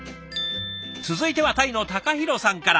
続いてはタイのたかひろさんから。